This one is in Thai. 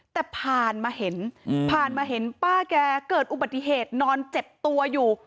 แต่ผ่านมาเห็นผ่านมาเห็นป้าแกเกิดอุบัติเหตุนอนเจ็บตัวอยู่